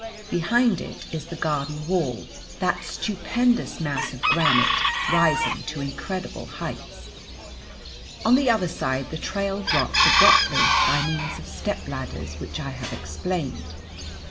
Behind it is the Garden Wall, that stupendous mass of granite rising to incredible heights. On the other side the trail drops abruptly, by means of stepladders which I have explained.